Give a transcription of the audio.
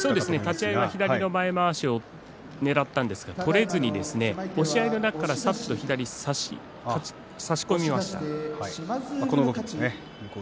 立ち合いで左の前まわしをねらったんですが取れずに押し合いになったらさっと左を差し込みました。